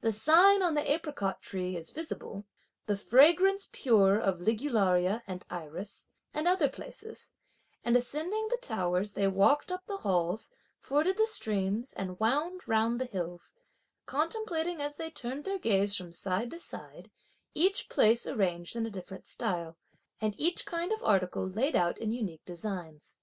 "the sign on the apricot tree is visible," "the fragrance pure of the ligularia and iris," and other places; and ascending the towers they walked up the halls, forded the streams and wound round the hills; contemplating as they turned their gaze from side to side, each place arranged in a different style, and each kind of article laid out in unique designs.